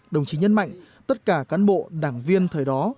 đồng chí nhấn mạnh tất cả cán bộ đảng viên thời đó